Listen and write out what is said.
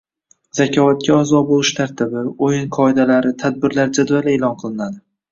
“Zakovat”ga aʼzo boʻlish tartibi, oʻyin qoidalari, tadbirlar jadvali eʼlon qilinadi.